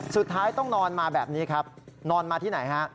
สุดท้ายต้องนอนมาแบบนี้ครับนอนมาที่ไหนฮะ